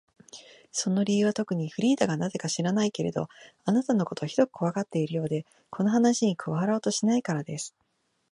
その理由はとくに、フリーダがなぜか知らないけれど、あなたのことをひどくこわがっているようで、この話に加わろうとしないからです。